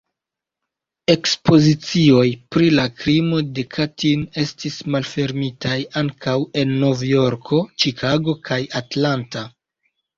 Ekspozicioj pri la krimo de Katin estis malfermitaj ankaŭ en Nov-Jorko, Ĉikago kaj Atlanta.